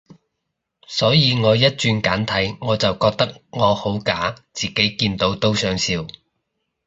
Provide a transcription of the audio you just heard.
所以我一轉簡體，我就覺得我好假，自己見到都想笑